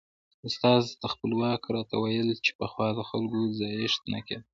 استاد خپلواک راته ویل چې پخوا د خلکو ځایښت نه کېده.